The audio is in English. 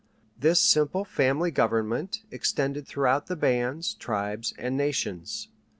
This simple family government extended throughout the bands, tribes, and nations.